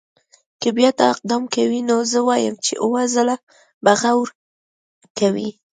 که بیا دا اقدام کوي نو زه وایم چې اووه ځله به غور کوي.